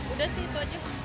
udah sih itu aja